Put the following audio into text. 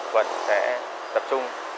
quận sẽ tập trung